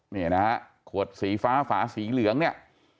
นี่นะฮะขวดสีฟ้าฝาสีเหลืองเนี่ย